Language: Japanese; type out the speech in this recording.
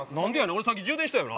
俺さっき充電したよな？